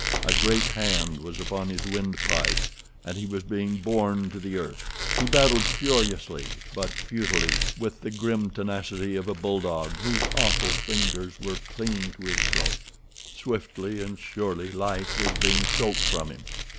A great hand was upon his windpipe, and he was being borne to the earth. He battled furiously but futilely—with the grim tenacity of a bulldog those awful fingers were clinging to his throat. Swiftly and surely life was being choked from him.